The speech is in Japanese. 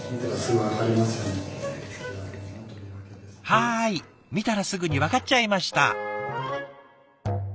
はい見たらすぐにわかっちゃいました。